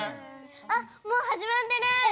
あっもう始まってる。